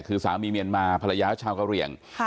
คือสามีเมียนมาภรรยาชาวกะเหลี่ยง